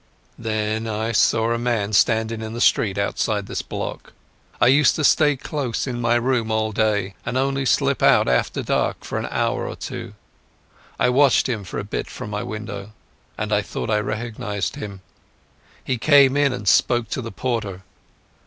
"Then I saw a man standing in the street outside this block. I used to stay close in my room all day, and only slip out after dark for an hour or two. I watched him for a bit from my window, and I thought I recognized him.... He came in and spoke to the porter....